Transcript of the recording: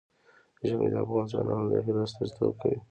ژمی د افغان ځوانانو د هیلو استازیتوب کوي.